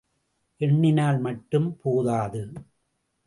எண்ணினால் மட்டும் போதாது.